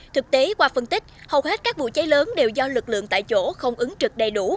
thực tế qua phân tích hầu hết các vụ cháy lớn đều do lực lượng tại chỗ không ứng trực đầy đủ